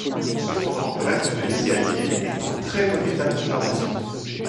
Cependant, le reste de l'escalier est en très bon état de conservation.